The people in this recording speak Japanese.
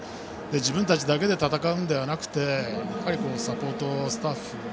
自分たちだけで戦うのではなくサポートスタッフ